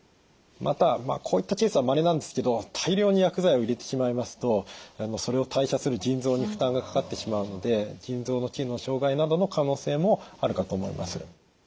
またこういったケースはまれなんですけど大量に薬剤を入れてしまいますとそれを代謝する腎臓に負担がかかってしまうので腎臓の機能障害などの可能性もあるかと思います。